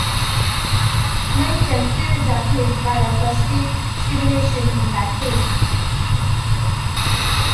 Men can still ejaculate via prostate stimulation in that case.